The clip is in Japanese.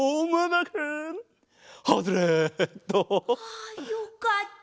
あよかった。